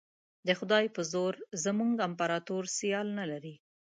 د خدای په زور زموږ امپراطور سیال نه لري.